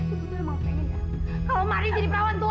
ibu memang pengen kalau marnie jadi perawan tua